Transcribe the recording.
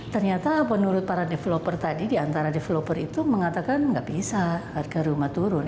ternyata menurut para developer tadi di antara developer itu mengatakan nggak bisa harga rumah turun